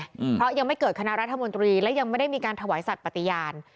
อืมเพราะยังไม่เกิดคณะรัฐมนตรีและยังไม่ได้มีการถวายสัตว์ปฏิญาณ